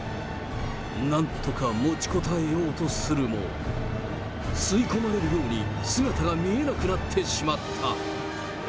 なんとか持ちこたえようとするも、吸い込まれるように姿が見えなくなってしまった。